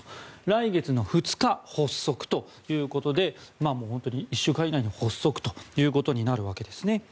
来月の２日、発足ということで本当に１週間以内に発足ということになるんですね。